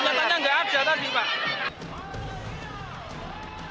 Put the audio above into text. ternyata enggak ada tadi pak